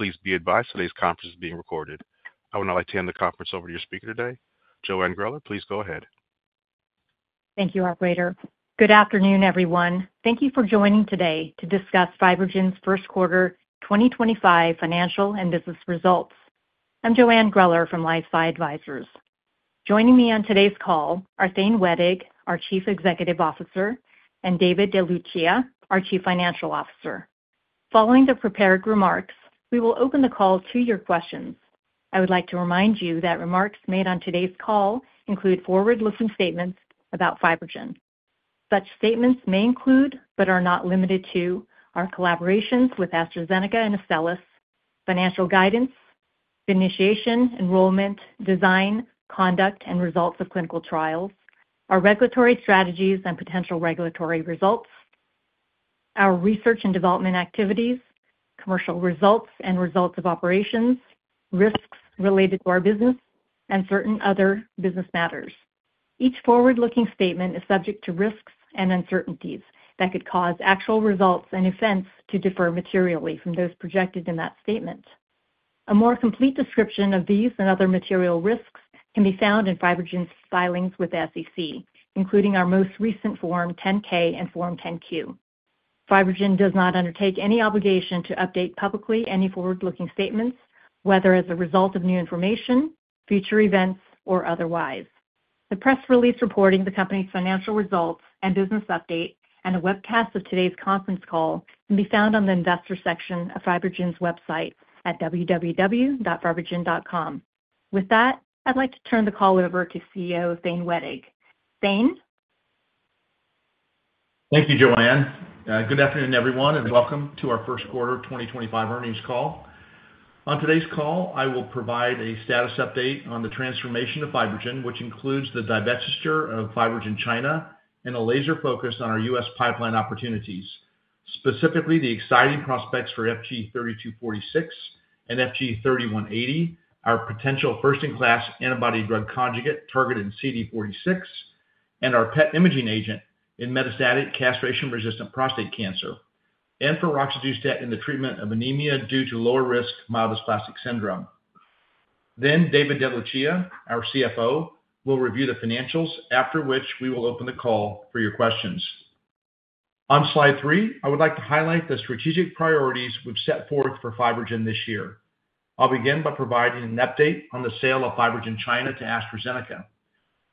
Please be advised today's conference is being recorded. I would now like to hand the conference over to your speaker today, Joanne Greller. Please go ahead. Thank you, Operator. Good afternoon, everyone. Thank you for joining today to discuss FibroGen's first quarter 2025 financial and business results. I'm Joanne Greller from LifeSci Advisors. Joining me on today's call are Thane Wettig, our Chief Executive Officer, and David DeLucia, our Chief Financial Officer. Following the prepared remarks, we will open the call to your questions. I would like to remind you that remarks made on today's call include forward-looking statements about FibroGen. Such statements may include, but are not limited to, our collaborations with AstraZeneca and Astellas, financial guidance, initiation, enrollment, design, conduct, and results of clinical trials, our regulatory strategies and potential regulatory results, our research and development activities, commercial results and results of operations, risks related to our business, and certain other business matters. Each forward-looking statement is subject to risks and uncertainties that could cause actual results and events to differ materially from those projected in that statement. A more complete description of these and other material risks can be found in FibroGen's filings with the SEC, including our most recent Form 10-K and Form 10-Q. FibroGen does not undertake any obligation to update publicly any forward-looking statements, whether as a result of new information, future events, or otherwise. The press release reporting the company's financial results and business update, and a webcast of today's conference call, can be found on the investor section of FibroGen's website at www.fibrogen.com. With that, I'd like to turn the call over to CEO Thane Wettig. Thane. Thank you, Joanne. Good afternoon, everyone, and welcome to our first quarter 2025 earnings call. On today's call, I will provide a status update on the transformation of FibroGen, which includes the divestiture of FibroGen China and a laser focus on our U.S. pipeline opportunities, specifically the exciting prospects for FG-3246 and FG-3180, our potential first-in-class antibody-drug conjugate targeted in CD46, and our PET imaging agent in metastatic castration-resistant prostate cancer, and for roxadustat in the treatment of anemia due to lower-risk myelodysplastic syndrome. Then, David DeLucia, our CFO, will review the financials, after which we will open the call for your questions. On slide three, I would like to highlight the strategic priorities we've set forth for FibroGen this year. I'll begin by providing an update on the sale of FibroGen China to AstraZeneca.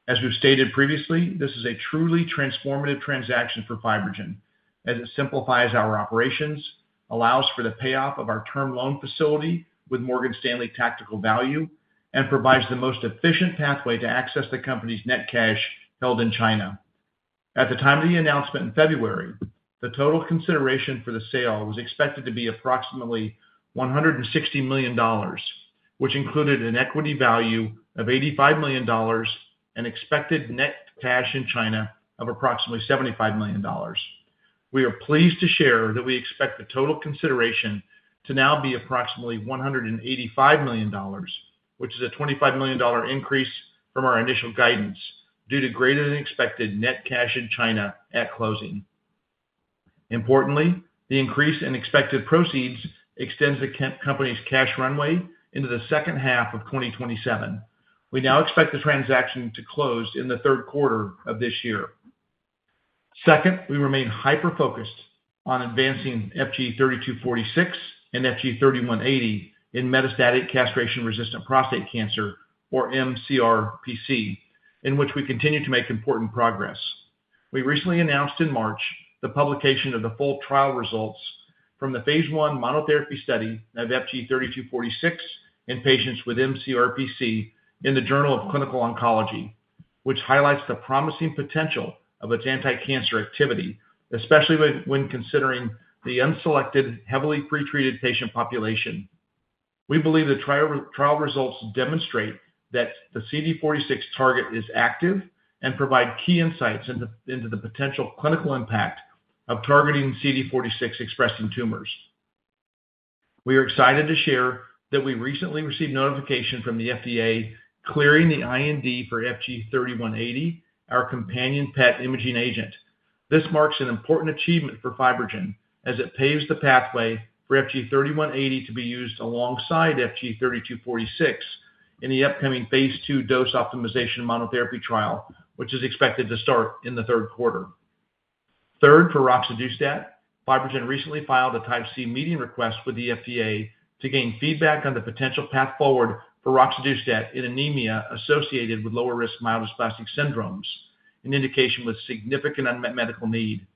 As we've stated previously, this is a truly transformative transaction for FibroGen, as it simplifies our operations, allows for the payoff of our term loan facility with Morgan Stanley Tactical Value, and provides the most efficient pathway to access the company's net cash held in China. At the time of the announcement in February, the total consideration for the sale was expected to be approximately $160 million, which included an equity value of $85 million and expected net cash in China of approximately $75 million. We are pleased to share that we expect the total consideration to now be approximately $185 million, which is a $25 million increase from our initial guidance due to greater-than-expected net cash in China at closing. Importantly, the increase in expected proceeds extends the company's cash runway into the second half of 2027. We now expect the transaction to close in the third quarter of this year. Second, we remain hyper-focused on advancing FG-3246 and FG-3180 in metastatic castration-resistant prostate cancer, or MCRPC, in which we continue to make important progress. We recently announced in March the publication of the full trial results from the phase I monotherapy study of FG-3246 in patients with MCRPC in the Journal of Clinical Oncology, which highlights the promising potential of its anti-cancer activity, especially when considering the unselected, heavily pretreated patient population. We believe the trial results demonstrate that the CD46 target is active and provide key insights into the potential clinical impact of targeting CD46-expressing tumors. We are excited to share that we recently received notification from the FDA clearing the IND for FG-3180, our companion PET imaging agent. This marks an important achievement for FibroGen, as it paves the pathway for FG-3180 to be used alongside FG-3246 in the upcoming phase II dose optimization monotherapy trial, which is expected to start in the third quarter. Third, for roxadustat, FibroGen recently filed a type C meeting request with the FDA to gain feedback on the potential path forward for roxadustat in anemia associated with lower-risk myelodysplastic syndromes, an indication with significant unmet medical need.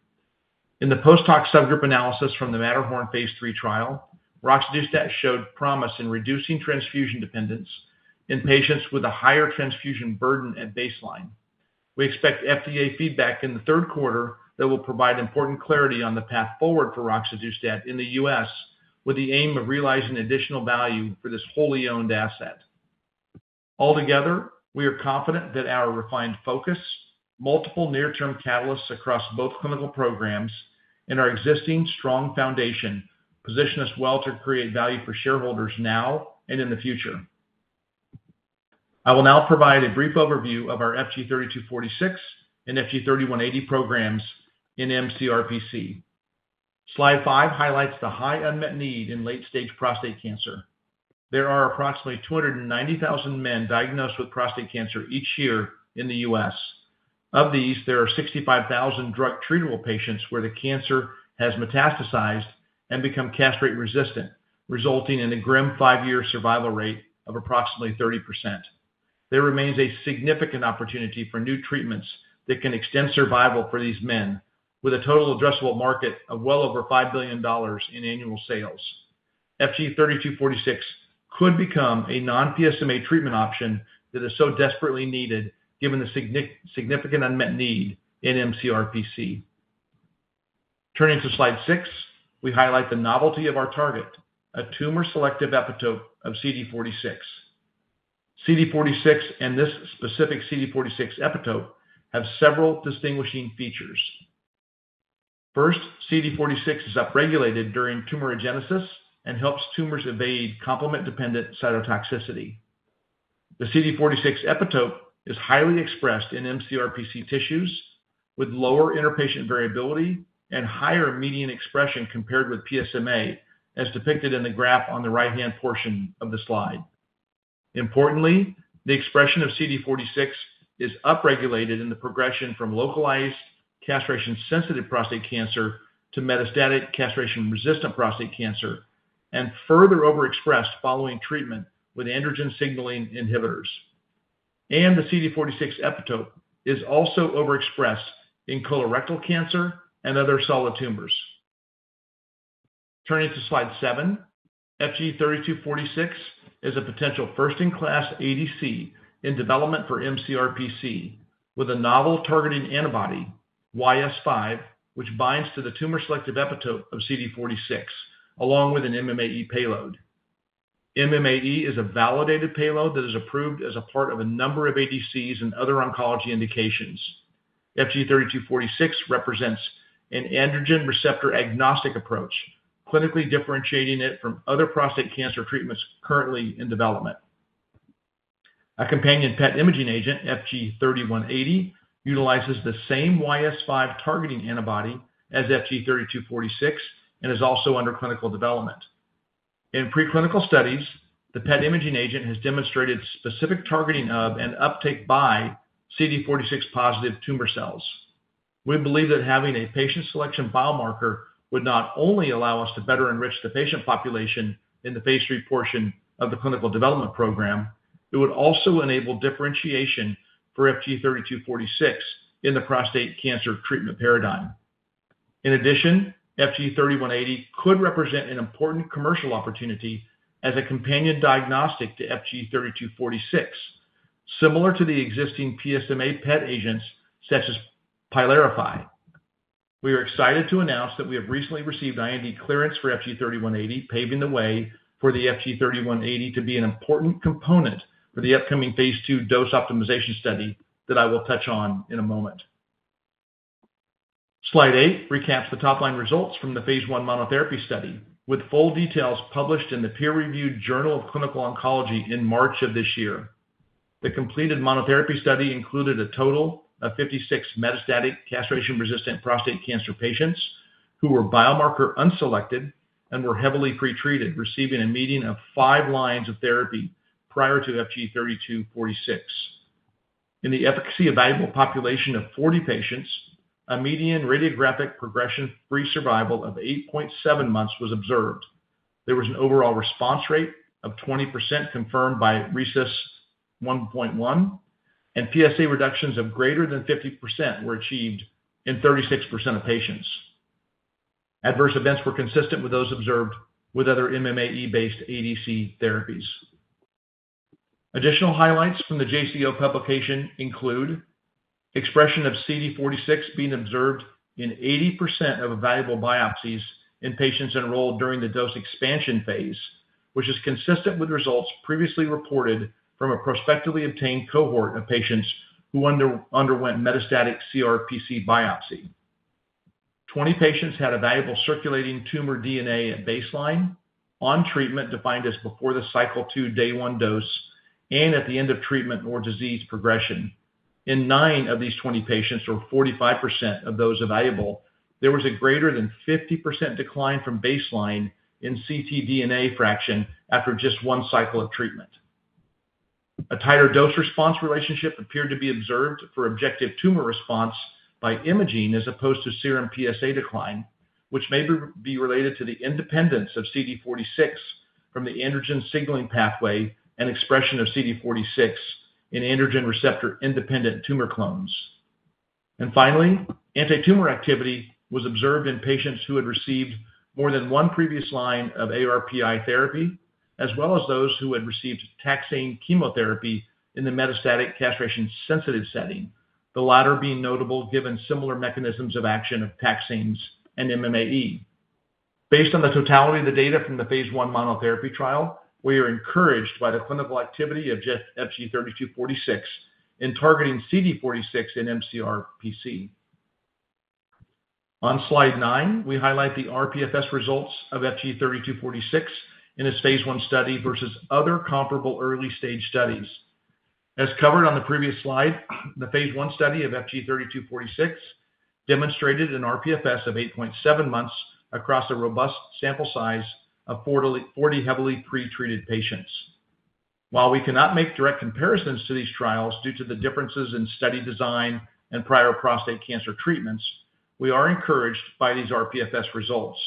In the post-hoc subgroup analysis from the Matterhorn phase III trial, roxadustat showed promise in reducing transfusion dependence in patients with a higher transfusion burden at baseline. We expect FDA feedback in the third quarter that will provide important clarity on the path forward for roxadustat in the U.S., with the aim of realizing additional value for this wholly owned asset. Altogether, we are confident that our refined focus, multiple near-term catalysts across both clinical programs, and our existing strong foundation position us well to create value for shareholders now and in the future. I will now provide a brief overview of our FG-3246 and FG-3180 programs in MCRPC. Slide five highlights the high unmet need in late-stage prostate cancer. There are approximately 290,000 men diagnosed with prostate cancer each year in the U.S. Of these, there are 65,000 drug-treatable patients where the cancer has metastasized and become castrate-resistant, resulting in a grim five-year survival rate of approximately 30%. There remains a significant opportunity for new treatments that can extend survival for these men, with a total addressable market of well over $5 billion in annual sales. FG-3246 could become a non-PSMA treatment option that is so desperately needed given the significant unmet need in MCRPC. Turning to slide six, we highlight the novelty of our target, a tumor-selective epitope of CD46. CD46 and this specific CD46 epitope have several distinguishing features. First, CD46 is upregulated during tumorogenesis and helps tumors evade complement-dependent cytotoxicity. The CD46 epitope is highly expressed in MCRPC tissues with lower interpatient variability and higher median expression compared with PSMA, as depicted in the graph on the right-hand portion of the slide. Importantly, the expression of CD46 is upregulated in the progression from localized castration-sensitive prostate cancer to metastatic castration-resistant prostate cancer and further overexpressed following treatment with androgen signaling inhibitors. The CD46 epitope is also overexpressed in colorectal cancer and other solid tumors. Turning to slide seven, FG-3246 is a potential first-in-class ADC in development for MCRPC with a novel targeting antibody, YS5, which binds to the tumor-selective epitope of CD46, along with an MMAE payload. MMAE is a validated payload that is approved as a part of a number of ADCs and other oncology indications. FG-3246 represents an androgen receptor agnostic approach, clinically differentiating it from other prostate cancer treatments currently in development. A companion PET imaging agent, FG-3180, utilizes the same YS5 targeting antibody as FG-3246 and is also under clinical development. In preclinical studies, the PET imaging agent has demonstrated specific targeting of and uptake by CD46-positive tumor cells. We believe that having a patient selection biomarker would not only allow us to better enrich the patient population in the phase III portion of the clinical development program, it would also enable differentiation for FG-3246 in the prostate cancer treatment paradigm. In addition, FG-3180 could represent an important commercial opportunity as a companion diagnostic to FG-3246, similar to the existing PSMA PET agents such as Pylarify. We are excited to announce that we have recently received IND clearance for FG-3180, paving the way for FG-3180 to be an important component for the upcoming phase II dose optimization study that I will touch on in a moment. Slide eight recaps the top-line results from the phase I monotherapy study, with full details published in the peer-reviewed Journal of Clinical Oncology in March of this year. The completed monotherapy study included a total of 56 metastatic castration-resistant prostate cancer patients who were biomarker unselected and were heavily pretreated, receiving a median of five lines of therapy prior to FG-3246. In the efficacy evaluable population of 40 patients, a median radiographic progression-free survival of 8.7 months was observed. There was an overall response rate of 20% confirmed by RECIST 1.1, and PSA reductions of greater than 50% were achieved in 36% of patients. Adverse events were consistent with those observed with other MMAE-based ADC therapies. Additional highlights from the JCO publication include expression of CD46 being observed in 80% of evaluable biopsies in patients enrolled during the dose expansion phase, which is consistent with results previously reported from a prospectively obtained cohort of patients who underwent metastatic CRPC biopsy. Twenty patients had evaluable circulating tumor DNA at baseline on treatment defined as before the cycle two day one dose and at the end of treatment or disease progression. In nine of these 20 patients, or 45% of those evaluable, there was a greater than 50% decline from baseline in CT DNA fraction after just one cycle of treatment. A tighter dose-response relationship appeared to be observed for objective tumor response by imaging as opposed to serum PSA decline, which may be related to the independence of CD46 from the androgen signaling pathway and expression of CD46 in androgen receptor-independent tumor clones. Finally, anti-tumor activity was observed in patients who had received more than one previous line of ARPI therapy, as well as those who had received taxane chemotherapy in the metastatic castration-sensitive setting, the latter being notable given similar mechanisms of action of taxanes and MMAE. Based on the totality of the data from the phase I monotherapy trial, we are encouraged by the clinical activity of FG-3246 in targeting CD46 in MCRPC. On slide nine, we highlight the RPFS results of FG-3246 in its phase I study versus other comparable early-stage studies. As covered on the previous slide, the phase I study of FG-3246 demonstrated an RPFS of 8.7 months across a robust sample size of 40 heavily pretreated patients. While we cannot make direct comparisons to these trials due to the differences in study design and prior prostate cancer treatments, we are encouraged by these RPFS results,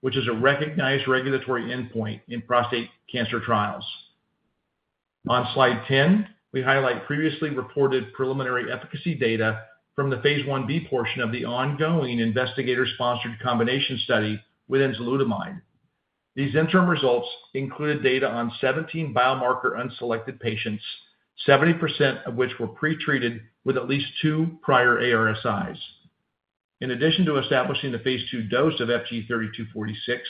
which is a recognized regulatory endpoint in prostate cancer trials. On slide ten, we highlight previously reported preliminary efficacy data from the phase Ib portion of the ongoing investigator-sponsored combination study with enzalutamide. These interim results included data on 17 biomarker unselected patients, 70% of which were pretreated with at least two prior ARSIs. In addition to establishing the phase II dose of FG-3246,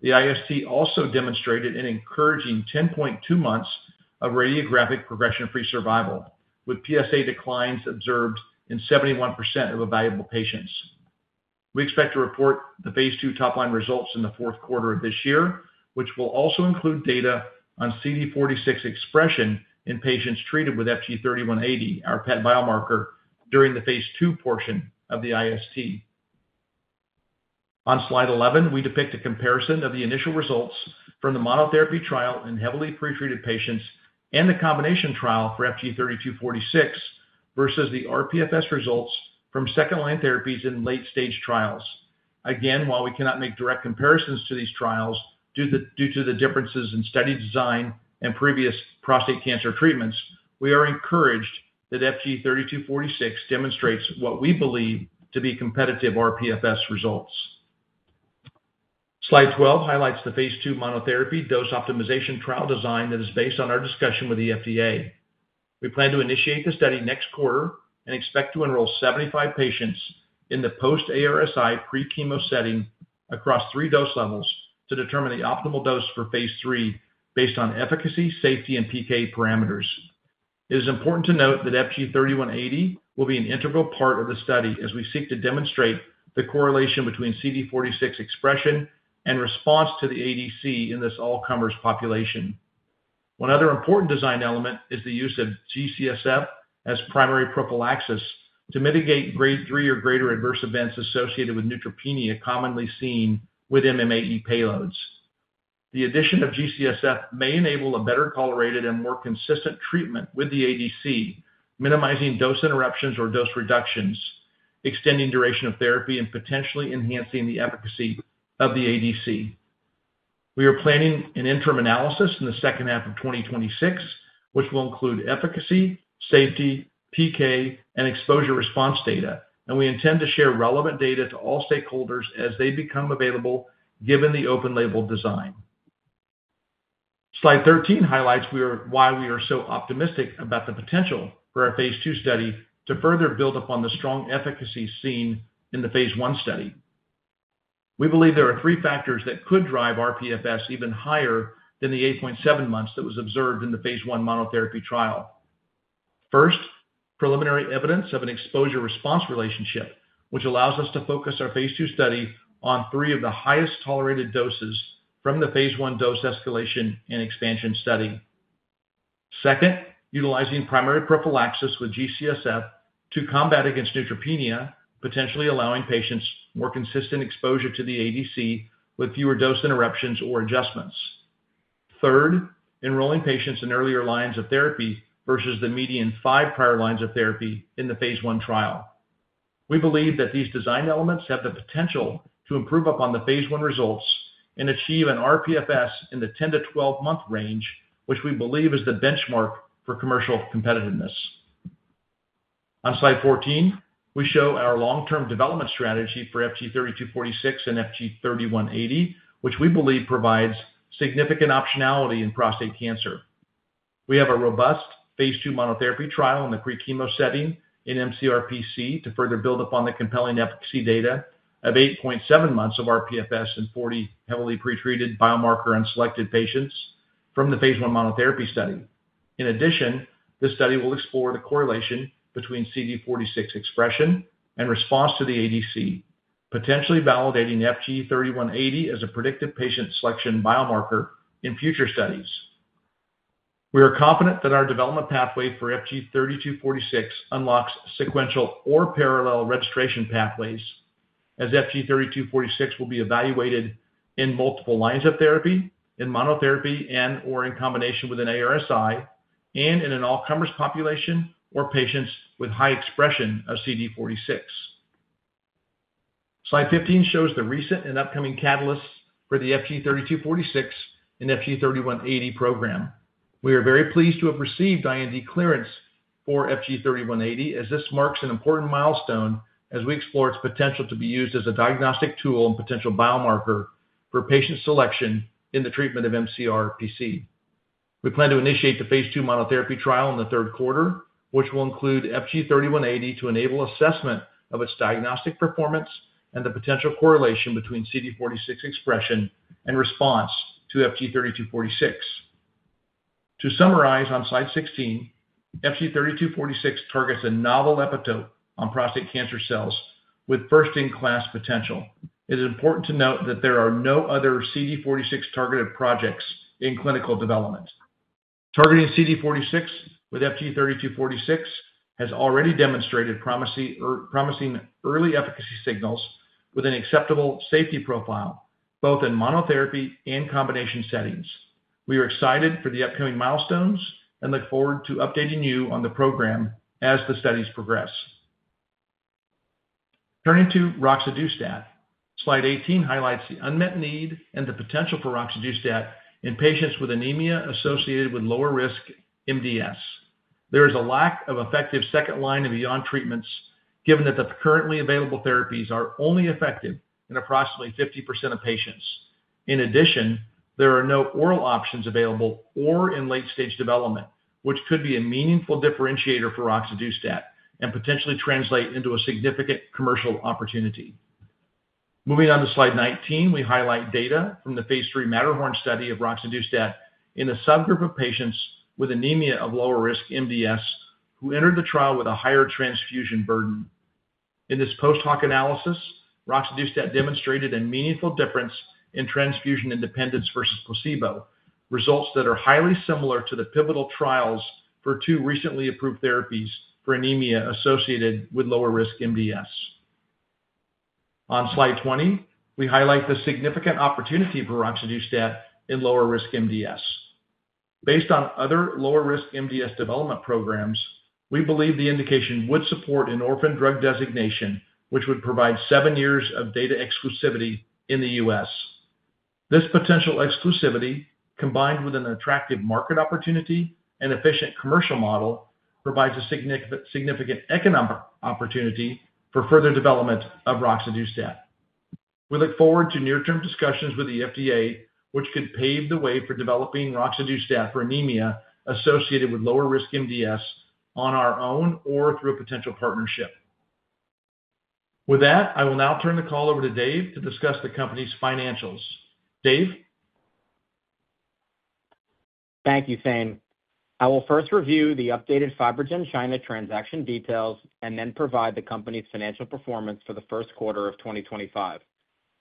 the IST also demonstrated an encouraging 10.2 months of radiographic progression-free survival, with PSA declines observed in 71% of evaluable patients. We expect to report the phase II top-line results in the fourth quarter of this year, which will also include data on CD46 expression in patients treated with FG-3180, our PET biomarker, during the phase II portion of the IST. On slide 11, we depict a comparison of the initial results from the monotherapy trial in heavily pretreated patients and the combination trial for FG-3246 versus the RPFS results from second-line therapies in late-stage trials. Again, while we cannot make direct comparisons to these trials due to the differences in study design and previous prostate cancer treatments, we are encouraged that FG-3246 demonstrates what we believe to be competitive RPFS results. Slide 12 highlights the phase II monotherapy dose optimization trial design that is based on our discussion with the FDA. We plan to initiate the study next quarter and expect to enroll 75 patients in the post-ARSI pre-chemo setting across three dose levels to determine the optimal dose for phase III based on efficacy, safety, and PK parameters. It is important to note that FG-3180 will be an integral part of the study as we seek to demonstrate the correlation between CD46 expression and response to the ADC in this all-comers population. One other important design element is the use of GCSF as primary prophylaxis to mitigate grade three or greater adverse events associated with neutropenia commonly seen with MMAE payloads. The addition of GCSF may enable a better tolerated and more consistent treatment with the ADC, minimizing dose interruptions or dose reductions, extending duration of therapy, and potentially enhancing the efficacy of the ADC. We are planning an interim analysis in the second half of 2026, which will include efficacy, safety, PK, and exposure response data, and we intend to share relevant data to all stakeholders as they become available given the open-label design. Slide 13 highlights why we are so optimistic about the potential for our phase II study to further build upon the strong efficacy seen in the phase I study. We believe there are three factors that could drive RPFS even higher than the 8.7 months that was observed in the phase I monotherapy trial. First, preliminary evidence of an exposure response relationship, which allows us to focus our phase II study on three of the highest tolerated doses from the phase I dose escalation and expansion study. Second, utilizing primary prophylaxis with GCSF to combat against neutropenia, potentially allowing patients more consistent exposure to the ADC with fewer dose interruptions or adjustments. Third, enrolling patients in earlier lines of therapy versus the median five prior lines of therapy in the phase I trial. We believe that these design elements have the potential to improve upon the phase I results and achieve an RPFS in the 10-12 month range, which we believe is the benchmark for commercial competitiveness. On slide 14, we show our long-term development strategy for FG-3246 and FG-3180, which we believe provides significant optionality in prostate cancer. We have a robust phase II monotherapy trial in the pre-chemo setting in MCRPC to further build upon the compelling efficacy data of 8.7 months of RPFS in 40 heavily pretreated biomarker unselected patients from the phase I monotherapy study. In addition, this study will explore the correlation between CD46 expression and response to the ADC, potentially validating FG-3180 as a predictive patient selection biomarker in future studies. We are confident that our development pathway for FG-3246 unlocks sequential or parallel registration pathways, as FG-3246 will be evaluated in multiple lines of therapy, in monotherapy and/or in combination with an ARSI, and in an all-comers population or patients with high expression of CD46. Slide 15 shows the recent and upcoming catalysts for the FG-3246 and FG-3180 program. We are very pleased to have received IND clearance for FG-3180, as this marks an important milestone as we explore its potential to be used as a diagnostic tool and potential biomarker for patient selection in the treatment of MCRPC. We plan to initiate the phase II monotherapy trial in the third quarter, which will include FG-3180 to enable assessment of its diagnostic performance and the potential correlation between CD46 expression and response to FG-3246. To summarize on slide 16, FG-3246 targets a novel epitope on prostate cancer cells with first-in-class potential. It is important to note that there are no other CD46-targeted projects in clinical development. Targeting CD46 with FG-3246 has already demonstrated promising early efficacy signals with an acceptable safety profile both in monotherapy and combination settings. We are excited for the upcoming milestones and look forward to updating you on the program as the studies progress. Turning to roxadustat, slide 18 highlights the unmet need and the potential for roxadustat in patients with anemia associated with lower risk MDS. There is a lack of effective second-line and beyond treatments, given that the currently available therapies are only effective in approximately 50% of patients. In addition, there are no oral options available or in late-stage development, which could be a meaningful differentiator for roxadustat and potentially translate into a significant commercial opportunity. Moving on to slide 19, we highlight data from the phase III MATTERHORN study of roxadustat in a subgroup of patients with anemia of lower risk MDS who entered the trial with a higher transfusion burden. In this post-hoc analysis, roxadustat demonstrated a meaningful difference in transfusion independence versus placebo, results that are highly similar to the pivotal trials for two recently approved therapies for anemia associated with lower risk MDS. On slide 20, we highlight the significant opportunity for roxadustat in lower risk MDS. Based on other lower risk MDS development programs, we believe the indication would support an orphan drug designation, which would provide seven years of data exclusivity in the U.S. This potential exclusivity, combined with an attractive market opportunity and efficient commercial model, provides a significant economic opportunity for further development of roxadustat. We look forward to near-term discussions with the FDA, which could pave the way for developing roxadustat for anemia associated with lower risk MDS on our own or through a potential partnership. With that, I will now turn the call over to Dave to discuss the company's financials. Dave? Thank you, Thane. I will first review the updated FibroGen China transaction details and then provide the company's financial performance for the first quarter of 2025.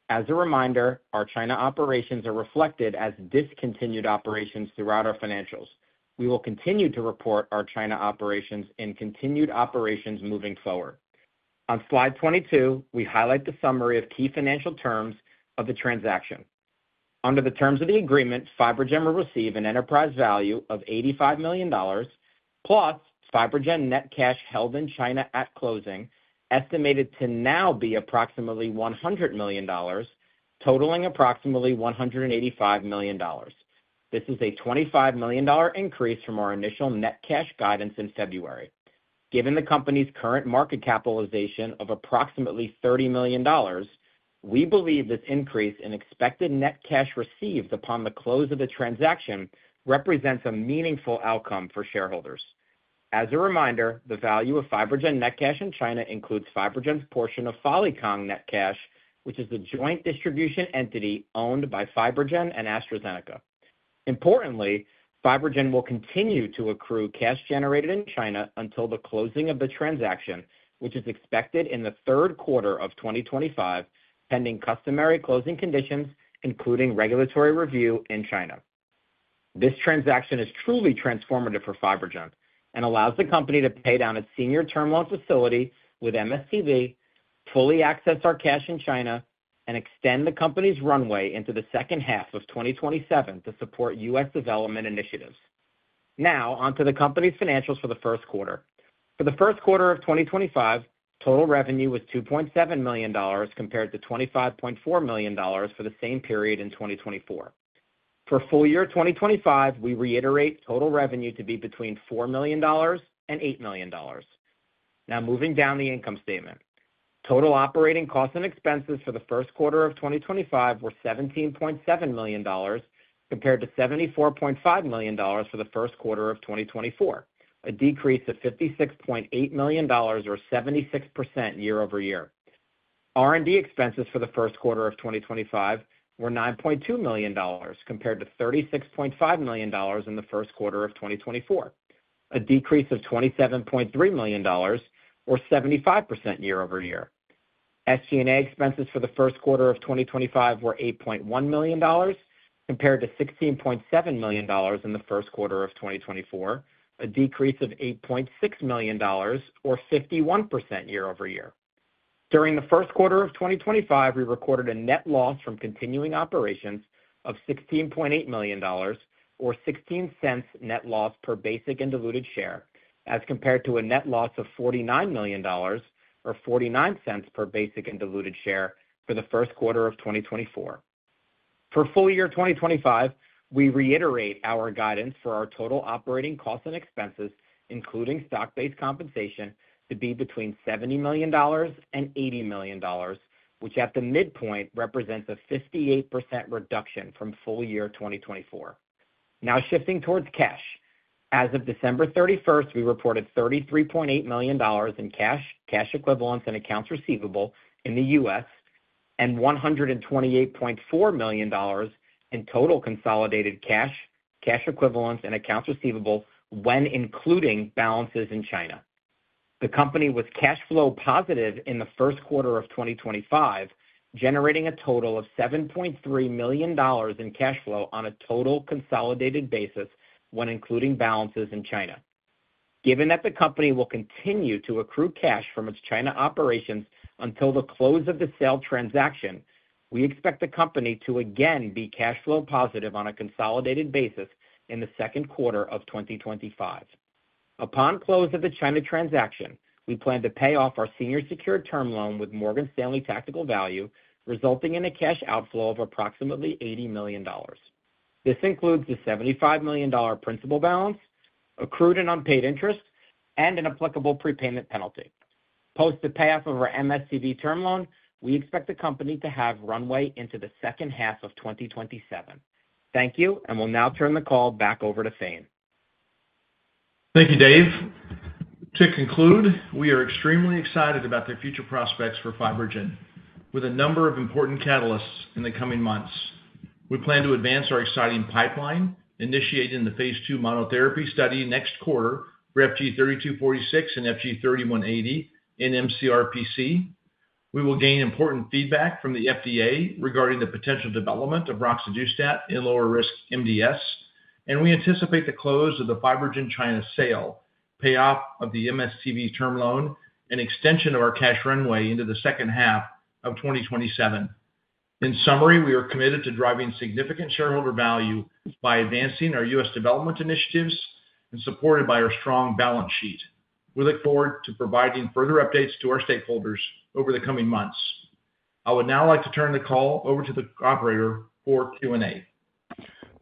As a reminder, our China operations are reflected as discontinued operations throughout our financials. We will continue to report our China operations in continued operations moving forward. On slide 22, we highlight the summary of key financial terms of the transaction. Under the terms of the agreement, FibroGen will receive an enterprise value of $85 million, plus FibroGen net cash held in China at closing, estimated to now be approximately $100 million, totaling approximately $185 million. This is a $25 million increase from our initial net cash guidance in February. Given the company's current market capitalization of approximately $30 million, we believe this increase in expected net cash received upon the close of the transaction represents a meaningful outcome for shareholders. As a reminder, the value of FibroGen net cash in China includes FibroGen's portion of Polypharma net cash, which is the joint distribution entity owned by FibroGen and AstraZeneca. Importantly, FibroGen will continue to accrue cash generated in China until the closing of the transaction, which is expected in the third quarter of 2025, pending customary closing conditions, including regulatory review in China. This transaction is truly transformative for FibroGen and allows the company to pay down its senior term loan facility with Morgan Stanley Tactical Value, fully access our cash in China, and extend the company's runway into the second half of 2027 to support U.S. development initiatives. Now, on to the company's financials for the first quarter. For the first quarter of 2025, total revenue was $2.7 million compared to $25.4 million for the same period in 2024. For full year 2025, we reiterate total revenue to be between $4 million and $8 million. Now, moving down the income statement, total operating costs and expenses for the first quarter of 2025 were $17.7 million compared to $74.5 million for the first quarter of 2024, a decrease of $56.8 million, or 76% year over year. R&D expenses for the first quarter of 2025 were $9.2 million compared to $36.5 million in the first quarter of 2024, a decrease of $27.3 million, or 75% year over year. SG&A expenses for the first quarter of 2025 were $8.1 million compared to $16.7 million in the first quarter of 2024, a decrease of $8.6 million, or 51% year over year. During the first quarter of 2025, we recorded a net loss from continuing operations of $16.8 million, or $0.16 net loss per basic and diluted share, as compared to a net loss of $49 million, or $0.49 per basic and diluted share for the first quarter of 2024. For full year 2025, we reiterate our guidance for our total operating costs and expenses, including stock-based compensation, to be between $70 million and $80 million, which at the midpoint represents a 58% reduction from full year 2024. Now, shifting towards cash. As of December 31st, we reported $33.8 million in cash, cash equivalents, and accounts receivable in the U.S., and $128.4 million in total consolidated cash, cash equivalents, and accounts receivable when including balances in China. The company was cash flow positive in the first quarter of 2025, generating a total of $7.3 million in cash flow on a total consolidated basis when including balances in China. Given that the company will continue to accrue cash from its China operations until the close of the sale transaction, we expect the company to again be cash flow positive on a consolidated basis in the second quarter of 2025. Upon close of the China transaction, we plan to pay off our senior secured term loan with Morgan Stanley Tactical Value, resulting in a cash outflow of approximately $80 million. This includes the $75 million principal balance, accrued and unpaid interest, and an applicable prepayment penalty. Post the payoff of our Morgan Stanley Tactical Value term loan, we expect the company to have runway into the second half of 2027. Thank you, and we'll now turn the call back over to Thane. Thank you, Dave. To conclude, we are extremely excited about the future prospects for FibroGen, with a number of important catalysts in the coming months. We plan to advance our exciting pipeline, initiating the phase II monotherapy study next quarter for FG-3246 and FG-3180 in MCRPC. We will gain important feedback from the FDA regarding the potential development of roxadustat in lower risk MDS, and we anticipate the close of the FibroGen China sale, payoff of the MSCV term loan, and extension of our cash runway into the second half of 2027. In summary, we are committed to driving significant shareholder value by advancing our U.S. development initiatives and supported by our strong balance sheet. We look forward to providing further updates to our stakeholders over the coming months. I would now like to turn the call over to the operator for Q&A.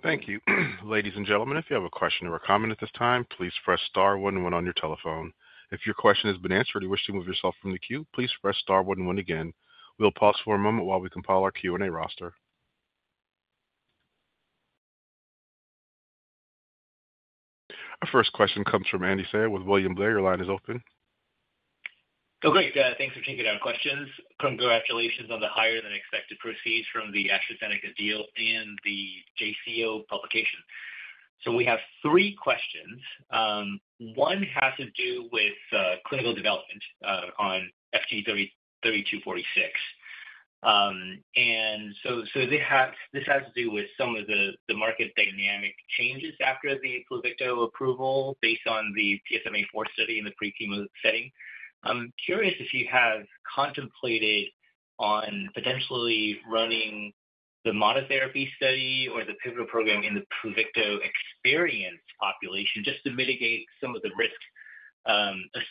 Thank you. Ladies and gentlemen, if you have a question or a comment at this time, please press star one and one on your telephone. If your question has been answered or you wish to move yourself from the queue, please press star one and one again. We'll pause for a moment while we compile our Q&A roster. Our first question comes from Andy Sayer with William Blair. Your line is open. Oh, great. Thanks for taking down questions. Congratulations on the higher-than-expected proceeds from the AstraZeneca deal and the JCO publication. So we have three questions. One has to do with clinical development on FG-3246. And so this has to do with some of the market dynamic changes after the Pluvicto approval based on the PSMA4 study in the pre-chemo setting. I'm curious if you have contemplated on potentially running the monotherapy study or the pivotal program in the Pluvicto experienced population just to mitigate some of the risk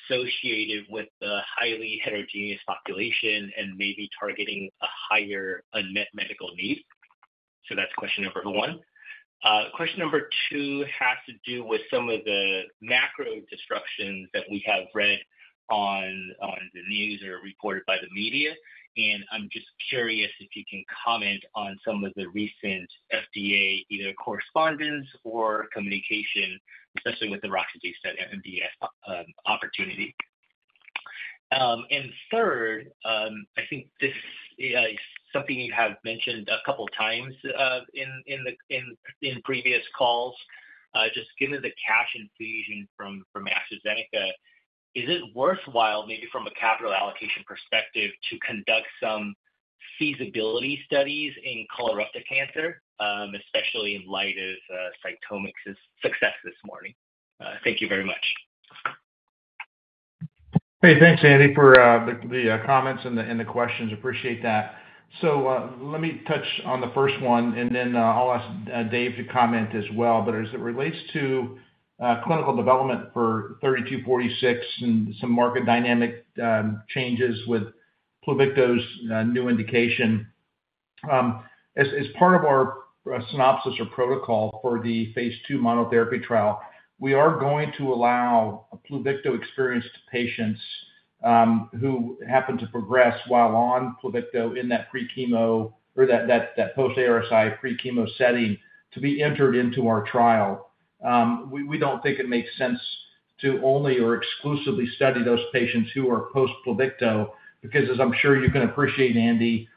associated with the highly heterogeneous population and maybe targeting a higher unmet medical need. That is question number one. Question number two has to do with some of the macro disruptions that we have read on the news or reported by the media. I'm just curious if you can comment on some of the recent FDA either correspondence or communication, especially with the roxadustat MDS opportunity. Third, I think this is something you have mentioned a couple of times in previous calls. Just given the cash infusion from AstraZeneca, is it worthwhile, maybe from a capital allocation perspective, to conduct some feasibility studies in colorectal cancer, especially in light of CytomX's success this morning? Thank you very much. Hey, thanks, Andy, for the comments and the questions. Appreciate that. Let me touch on the first one, and then I'll ask Dave to comment as well. As it relates to clinical development for 3246 and some market dynamic changes with Pluvicto's new indication, as part of our synopsis or protocol for the phase II monotherapy trial, we are going to allow Pluvicto-experienced patients who happen to progress while on Pluvicto in that pre-chemo or that post-ARSI pre-chemo setting to be entered into our trial. We don't think it makes sense to only or exclusively study those patients who are post-Pluvicto because, as I'm sure you can appreciate, Andy,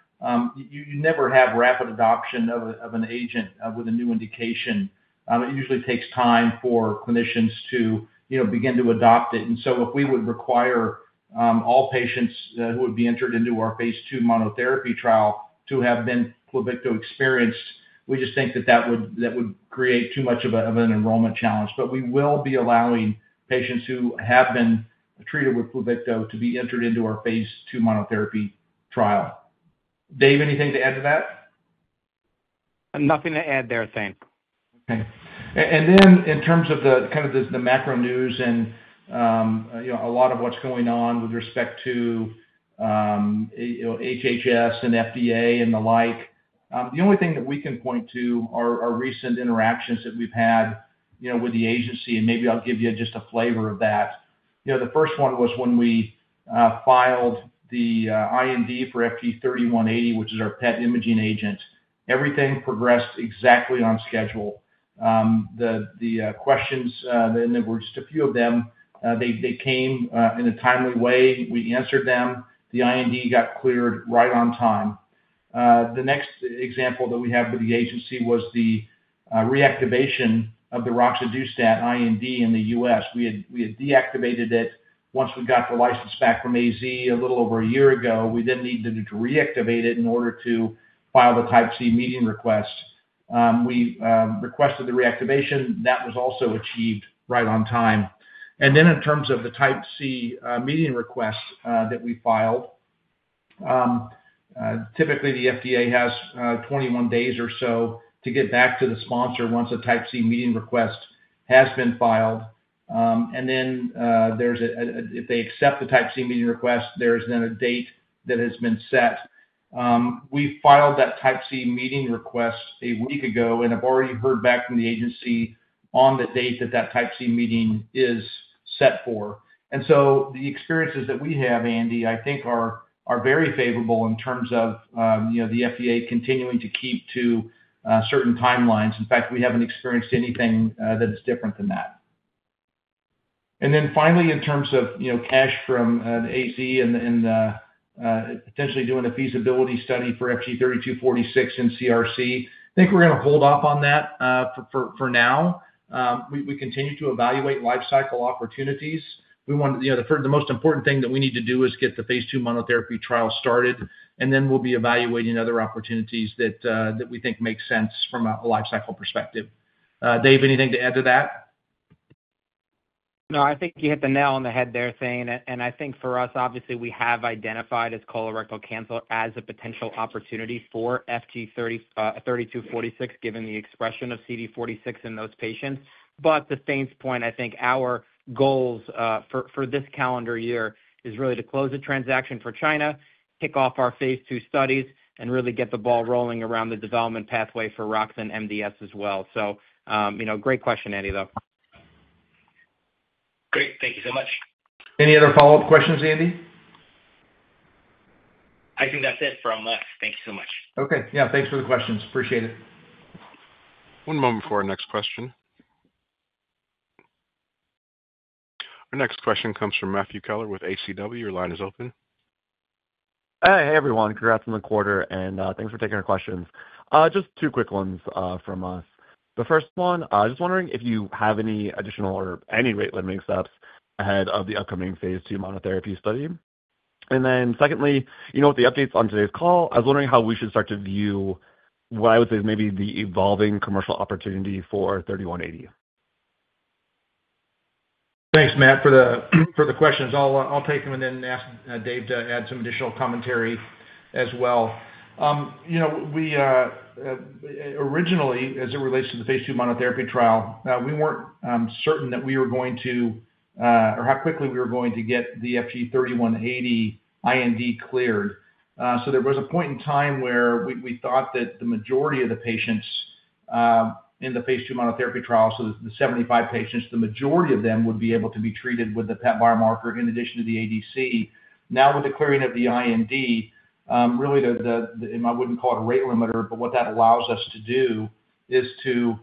you never have rapid adoption of an agent with a new indication. It usually takes time for clinicians to begin to adopt it. If we would require all patients who would be entered into our phase II monotherapy trial to have been Pluvicto-experienced, we just think that that would create too much of an enrollment challenge. We will be allowing patients who have been treated with Pluvicto to be entered into our phase II monotherapy trial. Dave, anything to add to that? Nothing to add there, Thane. Okay. In terms of kind of the macro news and a lot of what's going on with respect to HHS and FDA and the like, the only thing that we can point to are our recent interactions that we've had with the agency. Maybe I'll give you just a flavor of that. The first one was when we filed the IND for FG-3180, which is our PET imaging agent. Everything progressed exactly on schedule. The questions, and there were just a few of them, they came in a timely way. We answered them. The IND got cleared right on time. The next example that we have with the agency was the reactivation of the roxadustat IND in the U.S. We had deactivated it once we got the license back from AstraZeneca a little over a year ago. We then needed to reactivate it in order to file the type C meeting request. We requested the reactivation. That was also achieved right on time. In terms of the type C meeting request that we filed, typically the FDA has 21 days or so to get back to the sponsor once a type C meeting request has been filed. If they accept the type C meeting request, there is then a date that has been set. We filed that type C meeting request a week ago, and I've already heard back from the agency on the date that that type C meeting is set for. The experiences that we have, Andy, I think are very favorable in terms of the FDA continuing to keep to certain timelines. In fact, we haven't experienced anything that is different than that. Finally, in terms of cash from AstraZeneca and potentially doing a feasibility study for FG-3246 in CRC, I think we're going to hold off on that for now. We continue to evaluate lifecycle opportunities. The most important thing that we need to do is get the phase II monotherapy trial started, and then we'll be evaluating other opportunities that we think make sense from a lifecycle perspective. Dave, anything to add to that? No, I think you hit the nail on the head there, Thane. I think for us, obviously, we have identified colorectal cancer as a potential opportunity for FG-3246, given the expression of CD46 in those patients. To Thane's point, I think our goals for this calendar year are really to close the transaction for China, kick off our phase II studies, and really get the ball rolling around the development pathway for roxadustat in MDS as well. Great question, Andy, though. Great. Thank you so much. Any other follow-up questions, Andy? I think that's it from us. Thank you so much. Okay. Yeah. Thanks for the questions. Appreciate it. One moment for our next question. Our next question comes from Matthew Keller with HCW. Your line is open. Hey, everyone. Congrats on the quarter, and thanks for taking our questions. Just two quick ones from us. The first one, I was just wondering if you have any additional or any rate limiting steps ahead of the upcoming phase II monotherapy study. Secondly, with the updates on today's call, I was wondering how we should start to view what I would say is maybe the evolving commercial opportunity for 3180. Thanks, Matt, for the questions. I'll take them and then ask Dave to add some additional commentary as well. Originally, as it relates to the phase II monotherapy trial, we weren't certain that we were going to or how quickly we were going to get the FG-3180 IND cleared. There was a point in time where we thought that the majority of the patients in the phase II monotherapy trial, so the 75 patients, the majority of them would be able to be treated with the PET biomarker in addition to the ADC. Now, with the clearing of the IND, really, I would not call it a rate limiter, but what that allows us to do is to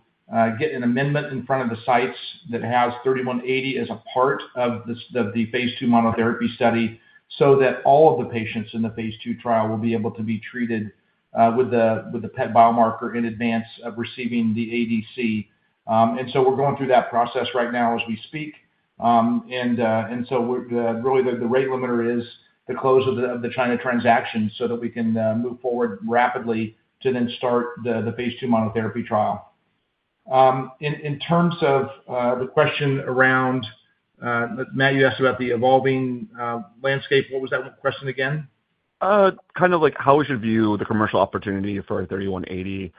get an amendment in front of the sites that has 3180 as a part of the phase II monotherapy study so that all of the patients in the phase II trial will be able to be treated with the PET biomarker in advance of receiving the ADC. We are going through that process right now as we speak. Really, the rate limiter is the close of the China transaction so that we can move forward rapidly to then start the phase II monotherapy trial. In terms of the question around, Matt, you asked about the evolving landscape. What was that question again? Kind of how would you view the commercial opportunity for 3180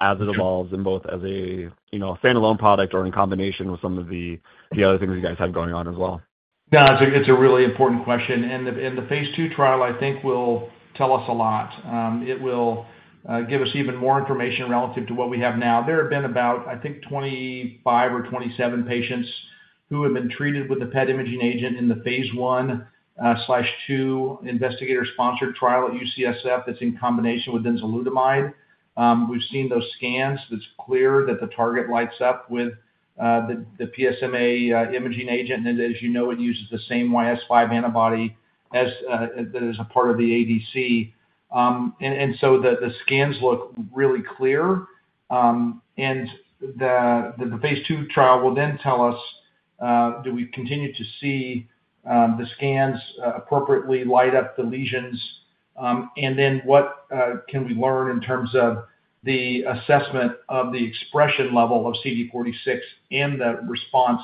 as it evolves in both as a standalone product or in combination with some of the other things you guys have going on as well? No, it's a really important question. The phase II trial, I think, will tell us a lot. It will give us even more information relative to what we have now. There have been about, I think, 25 or 27 patients who have been treated with the PET imaging agent in the phase I/II, investigator-sponsored trial at UCSF that's in combination with enzalutamide. We've seen those scans. It's clear that the target lights up with the PSMA imaging agent. As you know, it uses the same YS5 antibody that is a part of the ADC. The scans look really clear. The phase II trial will then tell us, do we continue to see the scans appropriately light up the lesions? What can we learn in terms of the assessment of the expression level of CD46 and the response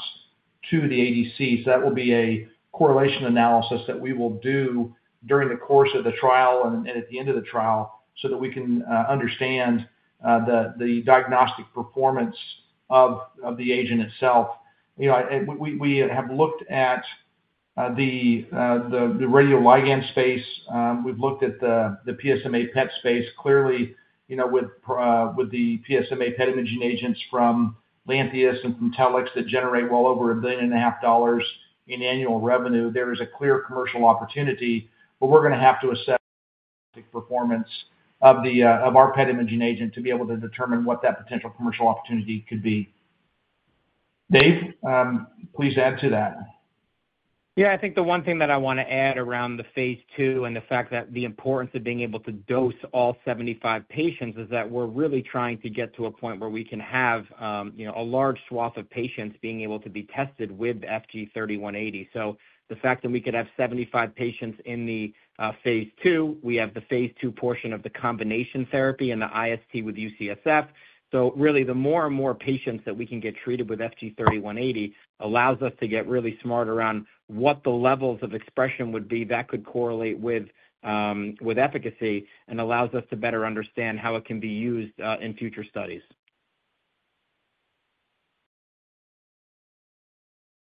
to the ADC? That will be a correlation analysis that we will do during the course of the trial and at the end of the trial so that we can understand the diagnostic performance of the agent itself. We have looked at the radioligand space. We have looked at the PSMA PET space. Clearly, with the PSMA PET imaging agents from Lantheus and from Telix that generate well over $1.5 billion in annual revenue, there is a clear commercial opportunity. We're going to have to assess the performance of our PET imaging agent to be able to determine what that potential commercial opportunity could be. Dave, please add to that. Yeah. I think the one thing that I want to add around the phase II and the fact that the importance of being able to dose all 75 patients is that we're really trying to get to a point where we can have a large swath of patients being able to be tested with FG-3180. The fact that we could have 75 patients in the phase II, we have the phase II portion of the combination therapy and the IST with UCSF. Really, the more and more patients that we can get treated with FG-3180 allows us to get really smart around what the levels of expression would be that could correlate with efficacy and allows us to better understand how it can be used in future studies.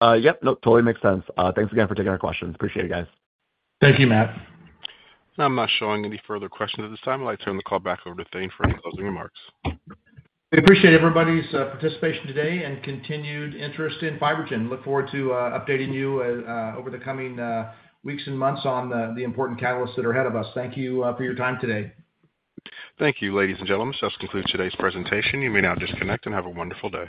Yep. No, totally makes sense. Thanks again for taking our questions. Appreciate it, guys. Thank you, Matt. I'm not showing any further questions at this time. I'd like to turn the call back over to Thane for any closing remarks. We appreciate everybody's participation today and continued interest in FibroGen. Look forward to updating you over the coming weeks and months on the important catalysts that are ahead of us. Thank you for your time today. Thank you, ladies and gentlemen. That concludes today's presentation. You may now disconnect and have a wonderful day.